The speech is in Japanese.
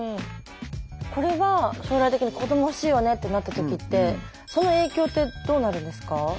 これは将来的に子供欲しいよねってなった時ってその影響ってどうなるんですか？